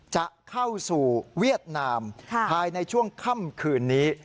จะเข้าสู่เวียดนามภายในช่วงค่ำคืนนี้